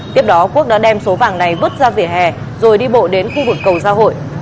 tiếp đó quốc đã đem số vàng này vứt ra vỉa hè rồi đi bộ đến khu vực cầu giao hội